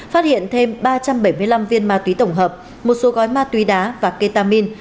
phát hiện thêm ba trăm bảy mươi năm viên ma túy tổng hợp một số gói ma túy đá và ketamin